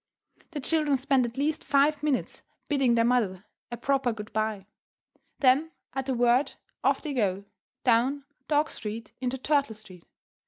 The children spend at least five minutes bidding their mother a proper good bye. Then, at the word, off they go, down "Dog" Street into "Turtle" Street.